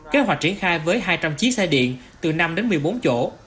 kế hoạch triển khai với hai trăm linh chiếc xe điện từ năm đến một mươi bốn chỗ